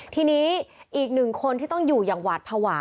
ทีนี้อีกหนึ่งคนที่ต้องอยู่อย่างหวาดภาวะ